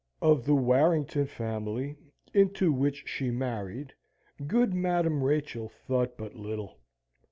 Of the Warrington family, into which she married, good Madam Rachel thought but little.